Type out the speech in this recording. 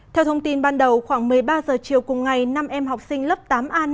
theo thông tin ban đầu khoảng một mươi ba h chiều cùng ngày năm em học sinh lớp tám a năm